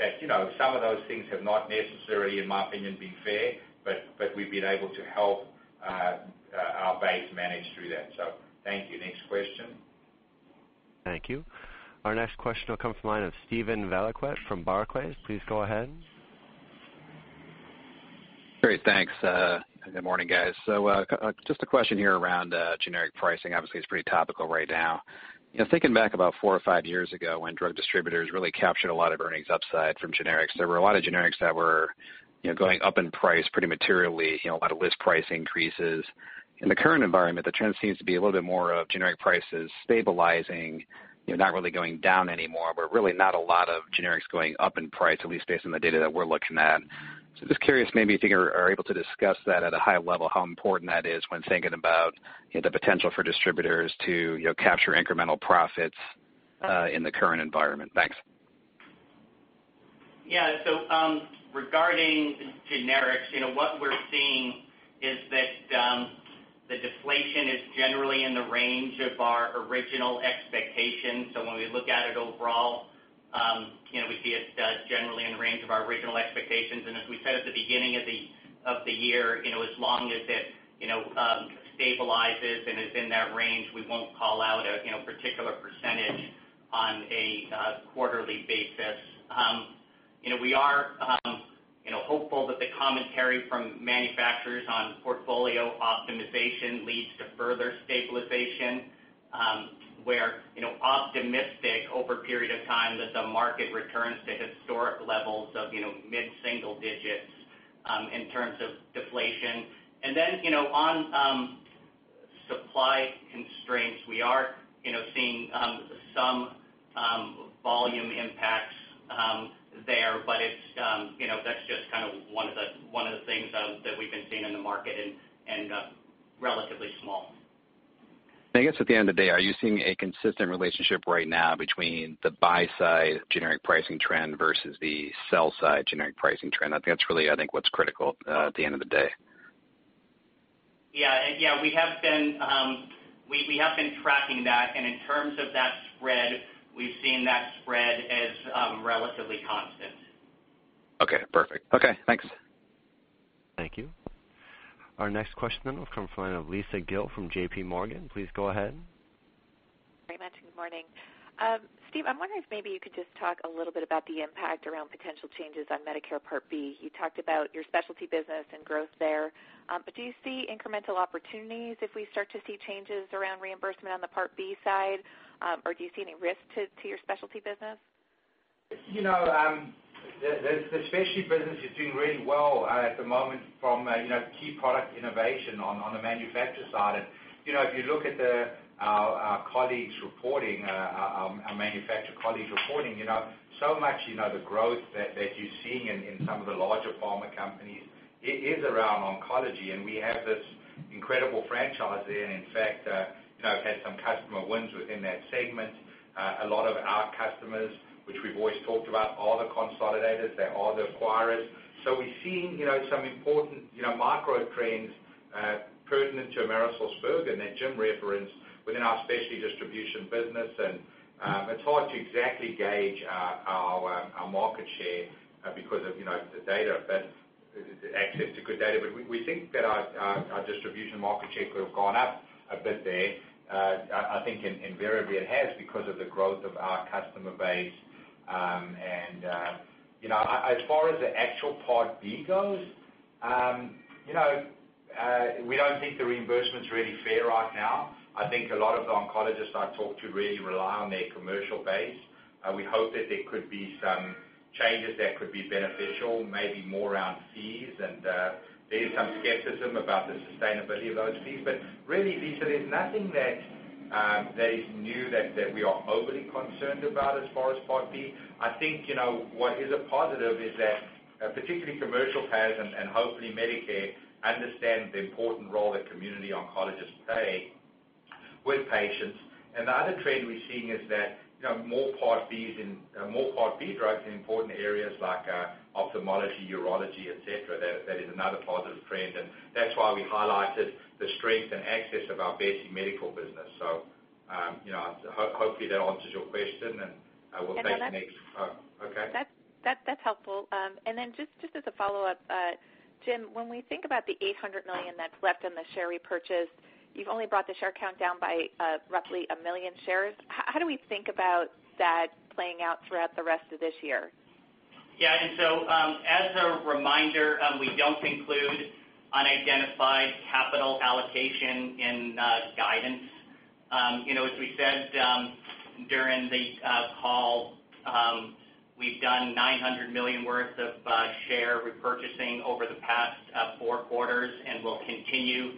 that some of those things have not necessarily, in my opinion, been fair, but we've been able to help our base manage through that. Thank you. Next question. Thank you. Our next question will come from the line of Steven Valiquette from Barclays. Please go ahead. Thanks. Good morning, guys. Just a question here around generic pricing. Obviously, it's pretty topical right now. Thinking back about four or five years ago when drug distributors really captured a lot of earnings upside from generics, there were a lot of generics that were going up in price pretty materially, a lot of list price increases. In the current environment, the trend seems to be a little bit more of generic prices stabilizing, not really going down anymore, but really not a lot of generics going up in price, at least based on the data that we're looking at. Just curious, maybe if you are able to discuss that at a high level, how important that is when thinking about the potential for distributors to capture incremental profits in the current environment. Thanks. Yeah. Regarding generics, what we're seeing is that the deflation is generally in the range of our original expectations. When we look at it overall, we see it generally in range of our original expectations. As we said at the beginning of the year, as long as it stabilizes and is in that range, we won't call out a particular percentage on a quarterly basis. We are hopeful that the commentary from manufacturers on portfolio optimization leads to further stabilization. We're optimistic over a period of time that the market returns to historic levels of mid-single digits in terms of deflation. On supply constraints, we are seeing some volume impacts there, but that's just one of the things that we've been seeing in the market and relatively small. I guess at the end of the day, are you seeing a consistent relationship right now between the buy-side generic pricing trend versus the sell-side generic pricing trend? I think that's really what's critical at the end of the day. Yeah. We have been tracking that. In terms of that spread, we've seen that spread as relatively constant. Okay, perfect. Okay, thanks. Thank you. Our next question will come from the line of Lisa Gill from JPMorgan. Please go ahead. Very much. Good morning. Steve, I'm wondering if maybe you could just talk a little bit about the impact around potential changes on Medicare Part B. You talked about your specialty business and growth there. Do you see incremental opportunities if we start to see changes around reimbursement on the Part B side? Do you see any risk to your specialty business? The specialty business is doing really well at the moment from key product innovation on the manufacturer side. If you look at our manufacturer colleagues reporting, so much the growth that you're seeing in some of the larger pharma companies, it is around oncology and we have this incredible franchise there. In fact, we've had some customer wins within that segment. A lot of our customers, which we've always talked about, are the consolidators, they are the acquirers. We're seeing some important micro trends pertinent to AmerisourceBergen that Jim referenced within our specialty distribution business and it's hard to exactly gauge our market share because of the access to good data. We think that our distribution market share could have gone up a bit there. I think invariably it has because of the growth of our customer base. As far as the actual Part B goes, we don't think the reimbursement's really fair right now. I think a lot of the oncologists I talk to really rely on their commercial base. We hope that there could be some changes that could be beneficial, maybe more around fees and there is some skepticism about the sustainability of those fees. Really, Lisa, there's nothing that is new that we are overly concerned about as far as Part B. I think what is a positive is that particularly commercial payers and hopefully Medicare understand the important role that community oncologists play with patients. The other trend we're seeing is that more Part B drugs in important areas like ophthalmology, urology, et cetera. That is another positive trend, and that's why we highlighted the strength and access of our Besse Medical business. Hopefully that answers your question, and we'll take the next. That's helpful. Then just as a follow-up, Jim, when we think about the $800 million that's left in the share repurchase, you've only brought the share count down by roughly 1 million shares. How do we think about that playing out throughout the rest of this year? As a reminder, we don't include unidentified capital allocation in guidance. As we said during the call, we've done $900 million worth of share repurchasing over the past four quarters, and we'll continue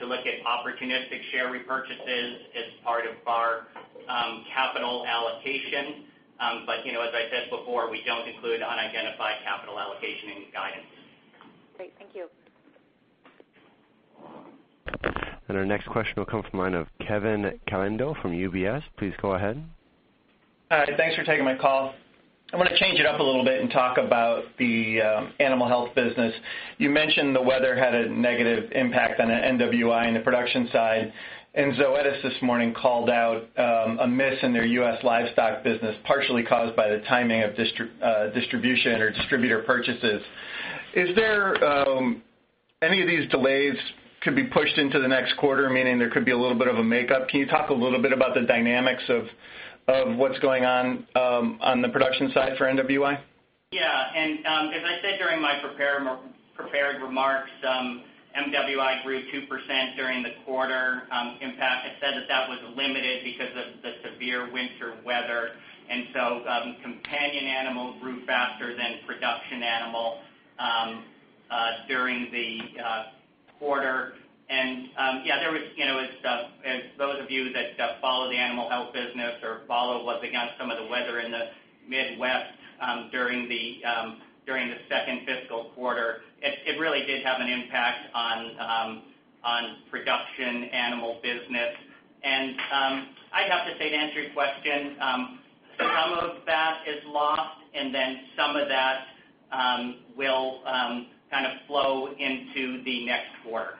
to look at opportunistic share repurchases as part of our capital allocation. As I said before, we don't include unidentified capital allocation in guidance. Great. Thank you. Our next question will come from the line of Kevin Caliendo from UBS. Please go ahead. Hi. Thanks for taking my call. I'm going to change it up a little bit and talk about the animal health business. You mentioned the weather had a negative impact on the MWI and the production side. Zoetis this morning called out a miss in their U.S. livestock business, partially caused by the timing of distribution or distributor purchases. Is there any of these delays could be pushed into the next quarter, meaning there could be a little bit of a makeup? Can you talk a little bit about the dynamics of what's going on the production side for MWI? As I said during my prepared remarks, MWI grew 2% during the quarter. Impact, it said that that was limited because of the severe winter weather. Companion animals grew faster than production animals during the quarter. Those of you that follow the animal health business or follow what's against some of the weather in the Midwest during the second fiscal quarter, it really did have an impact on production animal business. I'd have to say to answer your question, some of that is lost and then some of that will kind of flow into the next quarter.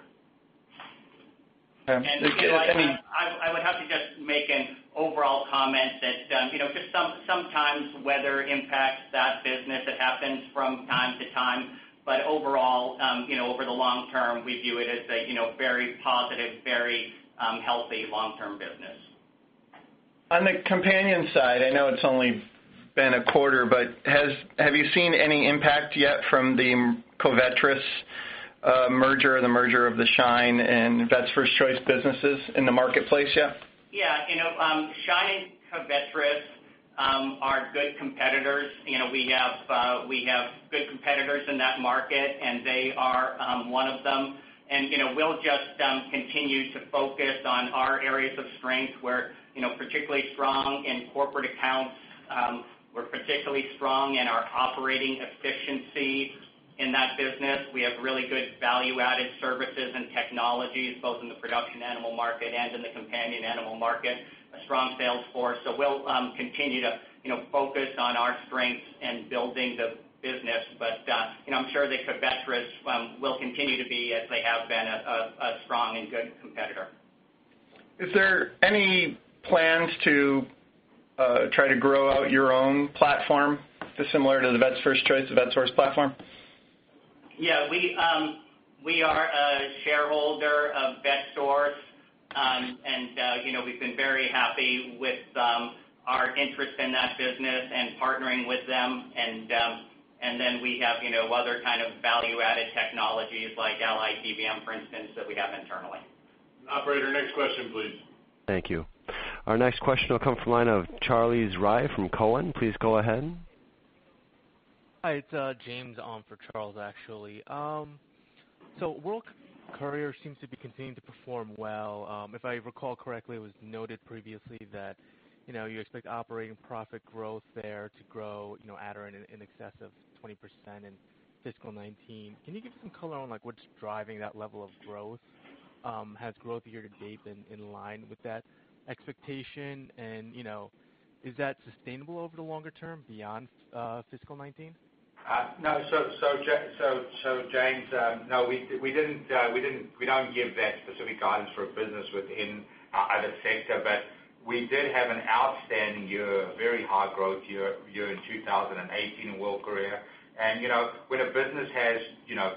Okay. I would have to just make an overall comment that sometimes weather impacts that business. It happens from time to time. Overall, over the long term, we view it as a very positive, very healthy long-term business. On the companion side, I know it's only been a quarter, but have you seen any impact yet from the Covetrus merger, the merger of the Schein and Vets First Choice businesses in the marketplace yet? Yeah. Schein and Covetrus are good competitors. We have good competitors in that market, and they are one of them. We'll just continue to focus on our areas of strength. We're particularly strong in corporate accounts. We're particularly strong in our operating efficiency in that business. We have really good value-added services and technologies, both in the production animal market and in the companion animal market, a strong sales force. We'll continue to focus on our strengths and building the business. I'm sure that Covetrus will continue to be, as they have been, a strong and good competitor. Is there any plans to try to grow out your own platform similar to the Vets First Choice, the Vetsource platform? Yeah. We are a shareholder of Vetsource, and we've been very happy with our interest in that business and partnering with them. Then we have other kind of value-added technologies like ALLYDVM, for instance, that we have internally. Operator, next question, please. Thank you. Our next question will come from line of Charles Rhyee from Cowen. Please go ahead. Hi, it's James on for Charles, actually. World Courier seems to be continuing to perform well. If I recall correctly, it was noted previously that you expect operating profit growth there to grow at or in excess of 20% in fiscal year 2019. Can you give some color on what's driving that level of growth? Has growth year-to-date been in line with that expectation? Is that sustainable over the longer term beyond fiscal year 2019? No. James, no, we don't give that specific guidance for a business within our AmerisourceBergen. We did have an outstanding year, a very high growth year in 2018 in World Courier. When a business has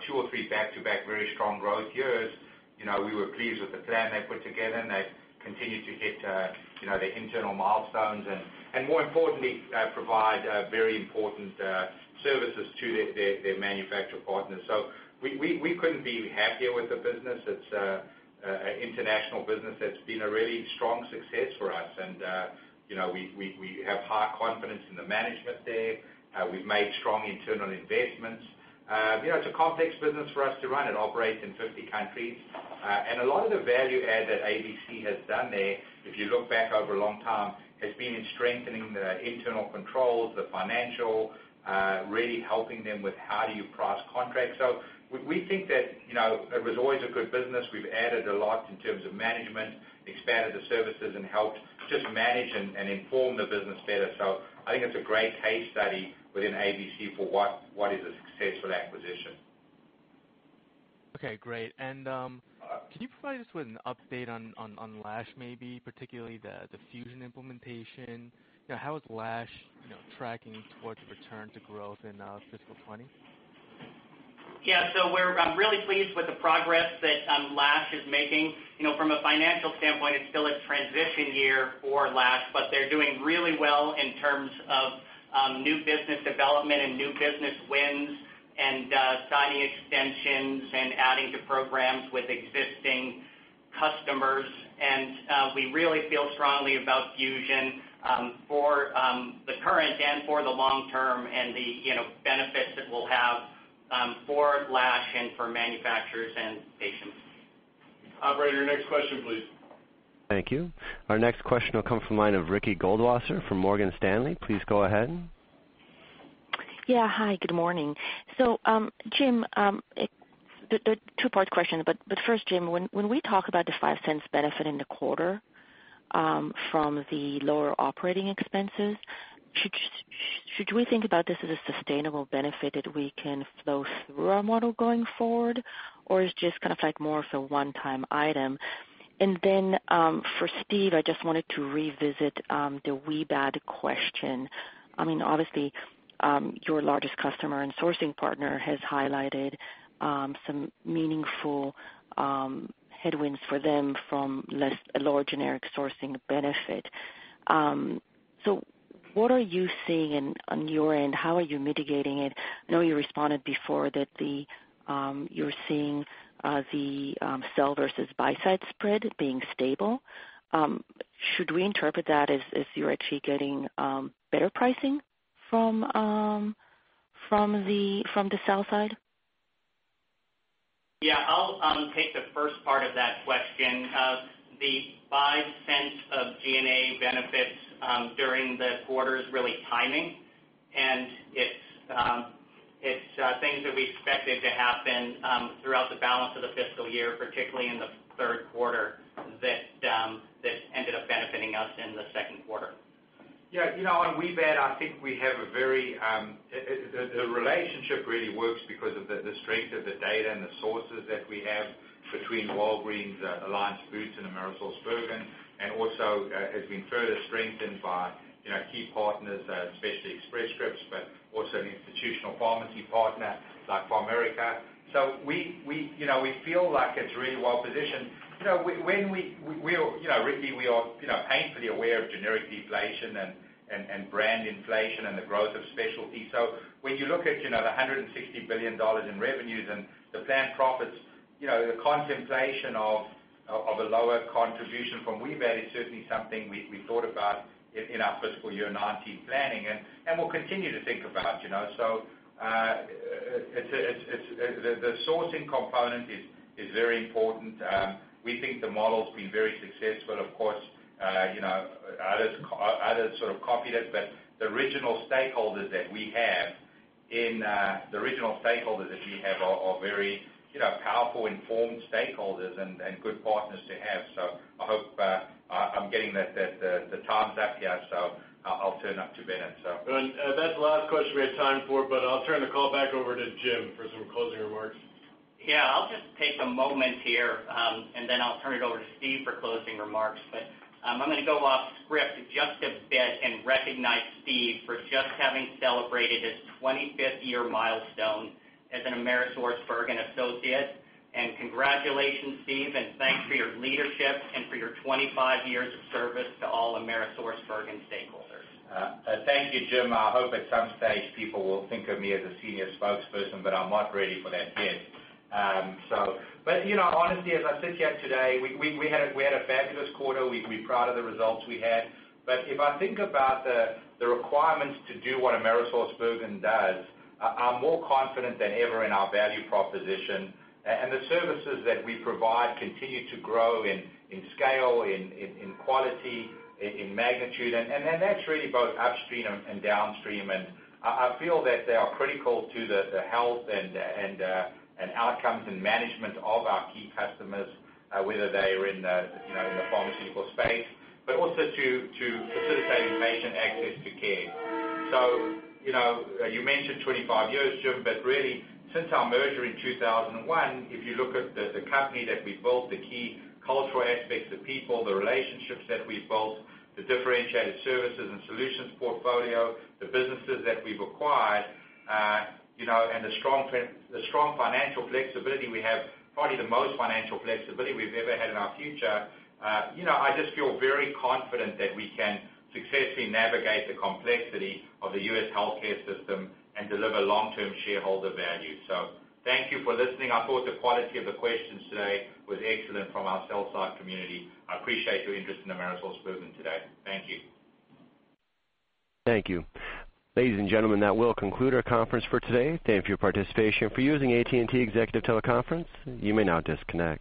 two or three back-to-back very strong growth years, we were pleased with the plan they put together, and they've continued to hit their internal milestones and more importantly, provide very important services to their manufacturer partners. We couldn't be happier with the business. It's an international business that's been a really strong success for us. We have high confidence in the management there. We've made strong internal investments. It's a complex business for us to run. It operates in 50 countries. A lot of the value add that ABC has done there, if you look back over a long time, has been in strengthening the internal controls, the financial, really helping them with how do you price contracts. We think that it was always a good business. We've added a lot in terms of management, expanded the services, and helped just manage and inform the business better. I think it's a great case study within ABC for what is a successful acquisition. Okay, great. Can you provide us with an update on Lash maybe, particularly the Fusion implementation? How is Lash tracking towards return to growth in fiscal 2020? Yeah. We're really pleased with the progress that Lash is making. From a financial standpoint, it's still a transition year for Lash, but they're doing really well in terms of new business development and new business wins, and signing extensions and adding to programs with existing customers. We really feel strongly about Fusion, for the current and for the long term, and the benefits that we'll have for Lash and for manufacturers and patients. Operator, next question, please. Thank you. Our next question will come from the line of Ricky Goldwasser from Morgan Stanley. Please go ahead. Hi, good morning. Jim, two-part question, but first, Jim, when we talk about the $0.05 benefit in the quarter, from the lower operating expenses, should we think about this as a sustainable benefit that we can flow through our model going forward, or is just more of a one-time item? For Steve, I just wanted to revisit the WBAD question. Obviously, your largest customer and sourcing partner has highlighted some meaningful headwinds for them from a lower generic sourcing benefit. What are you seeing on your end? How are you mitigating it? I know you responded before that you're seeing the sell versus buy-side spread being stable. Should we interpret that as you're actually getting better pricing from the sell side? I'll take the first part of that question. The $0.05 of G&A benefits during the quarter is really timing, and it's things that we expected to happen throughout the balance of the fiscal year, particularly in the third quarter, that ended up benefiting us in the second quarter. On WBAD, I think the relationship really works because of the strength of the data and the sources that we have between Walgreens, Alliance Boots, and AmerisourceBergen, and also, has been further strengthened by key partners, especially Express Scripts, but also an institutional pharmacy partner like PharMerica. We feel like it's really well-positioned. Ricky, we are painfully aware of generic deflation and brand inflation and the growth of specialty. When you look at the $160 billion in revenues and the planned profits, the contemplation of a lower contribution from WBAD is certainly something we thought about in our fiscal year 2019 planning and will continue to think about. The sourcing component is very important. We think the model's been very successful. Of course, others sort of copied it, but the original stakeholders that we have are very powerful, informed stakeholders and good partners to have. I hope I'm getting the times up here. I'll turn now to Bennett. That's the last question we have time for. I'll turn the call back over to Jim for some closing remarks. I'll just take a moment here. I'll turn it over to Steve for closing remarks. I'm going to go off script just a bit and recognize Steve for just having celebrated his 25th year milestone as an AmerisourceBergen associate. Congratulations, Steve, and thanks for your leadership and for your 25 years of service to all AmerisourceBergen stakeholders. Thank you, Jim. I hope at some stage, people will think of me as a senior spokesperson. I'm not ready for that yet. Honestly, as I sit here today, we had a fabulous quarter. We're proud of the results we had. If I think about the requirements to do what AmerisourceBergen does, I'm more confident than ever in our value proposition. The services that we provide continue to grow in scale, in quality, in magnitude, and that's really both upstream and downstream. I feel that they are critical to the health and outcomes and management of our key customers, whether they are in the pharmaceutical space, but also to facilitate patient access to care. You mentioned 25 years, Jim, but really, since our merger in 2001, if you look at the company that we built, the key cultural aspects, the people, the relationships that we've built, the differentiated services and solutions portfolio, the businesses that we've acquired, and the strong financial flexibility we have, probably the most financial flexibility we've ever had in our future. I just feel very confident that we can successfully navigate the complexity of the U.S. healthcare system and deliver long-term shareholder value. Thank you for listening. I thought the quality of the questions today was excellent from our sell-side community. I appreciate your interest in AmerisourceBergen today. Thank you. Thank you. Ladies and gentlemen, that will conclude our conference for today. Thank you for your participation for using AT&T Executive Teleconference. You may now disconnect.